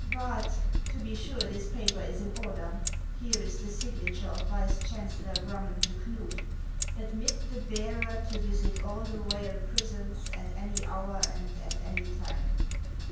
" But, to be sure, this paper is in order ; here is the signature of Vice Chancellor Grummond de Knud :' Admit the bearer to visit all the royal prisons at any hour and at any time.'